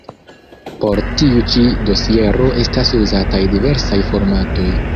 Por tiu ĉi dosiero estas uzataj diversaj formatoj.